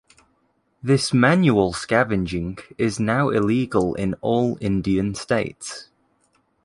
This "manual scavenging" is now illegal in all Indian states.